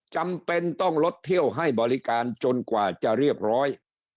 จำเป็นต้องลดเที่ยวให้บริการจนกว่าจะเรียบร้อย